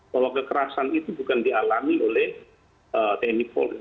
bahwa kekerasan itu bukan dialami oleh tnpbopm